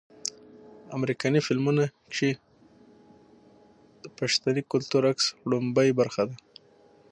امريکني فلمونو کښې د پښتني کلتور عکس وړومبۍ برخه